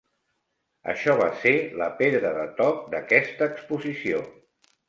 Això va ser la pedra de toc d'aquesta exposició.